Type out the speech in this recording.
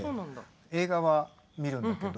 映画は見るんだけど。